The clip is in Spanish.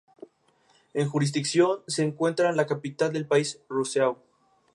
En su jurisdicción se encuentra la capital del país, Roseau.